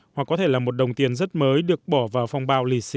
hoặc có thể là một đồng tiền rất mới được bỏ vào phong bao lì xì